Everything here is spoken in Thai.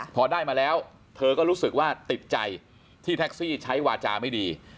พอได้มาแล้วเธอก็รู้สึกว่าติดใจที่แท็กซี่ใช้วาจาไม่ดี